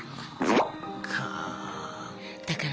そっか。